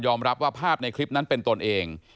รับว่าภาพในคลิปนั้นเป็นตนเอง